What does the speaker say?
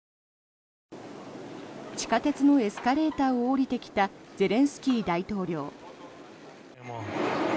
地下鉄のエスカレーターを下りてきたゼレンスキー大統領。